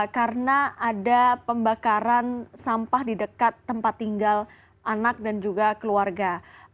karena ada pembakaran sampah di dekat tempat tinggal anak dan juga keluarga